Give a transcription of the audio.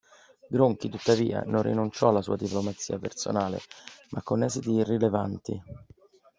Gronchi, tuttavia, non rinunciò alla sua diplomazia personale ma con esiti irrilevanti.